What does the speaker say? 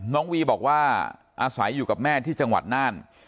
วีบอกว่าอาศัยอยู่กับแม่ที่จังหวัดน่าน